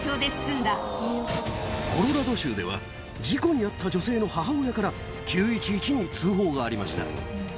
コロラド州では、事故に遭った女性の母親から、９１１に通報がありました。